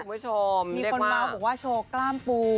มีคนบอกว่าโชว์กล้ามปู